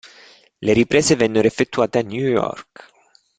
Le riprese vennero effettuate a New York.